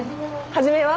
初めは？